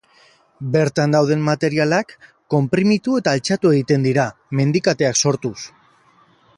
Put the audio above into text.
Bertan dauden materialak konprimitu eta altxatu egiten dira, mendikateak sortuz.